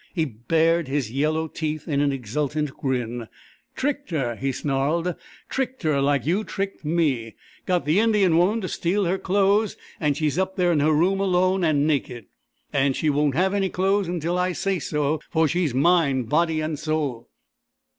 He bared his yellow teeth in an exultant grin. "Tricked her," he snarled. "Tricked her like you tricked me! Got the Indian woman to steal her clothes, an' she's up there in her room alone an' naked! An' she won't have any clothes until I say so, for she's mine body and soul...."